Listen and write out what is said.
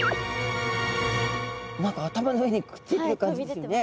何か頭の上にくっついてる感じですよね。